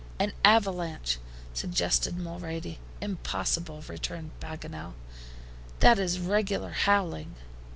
"An avalanche," suggested Mulrady. "Impossible," returned Paganel. "That is regular howling."